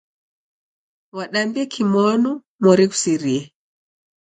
Wadambie kimonu mori ghusirie.